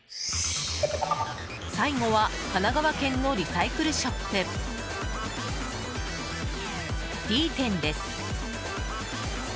最後は、神奈川県のリサイクルショップ、Ｄ店です。